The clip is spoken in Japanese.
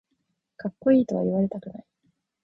かっこいいとは言われたくない